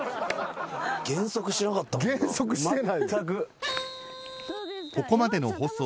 減速しなかったもんな。